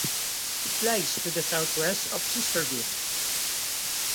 It lies to the southwest of Sistersville.